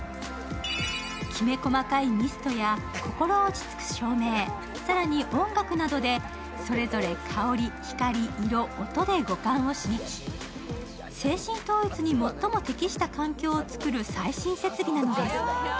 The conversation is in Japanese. きめ細かいミストや心落ち着く照明更に音楽などで、それぞれ香り、光、音で五感を刺激、精神統一に最も適した環境をつくる最新設備なのです。